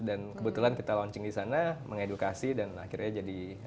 dan kebetulan kita launching di sana mengedukasi dan akhirnya jadi